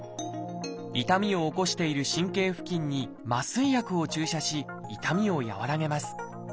痛みを起こしている神経付近に麻酔薬を注射し痛みを和らげます。